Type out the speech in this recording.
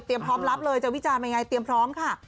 พร้อมรับเลยจะวิจารณ์ยังไงเตรียมพร้อมค่ะ